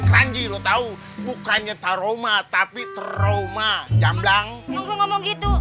kranji lu tahu bukannya taruh ma tapi trauma jamlang ngomong gitu